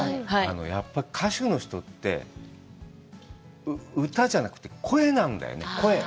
やっぱり歌手の人って、歌じゃなくて声なんだよね。